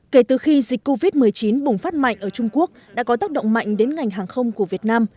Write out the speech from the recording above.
kể từ khi dịch covid một mươi chín bùng phát mạnh ở trung quốc đã có tác động mạnh đến ngành hàng không của việt nam